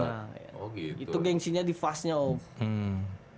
nah itu gengsinya di fastnya om